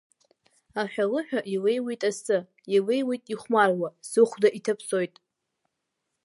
Аҳәылыҳәа илеиуеит асы, илеиуеит ихәмаруа, сыхәда иҭаԥсоит.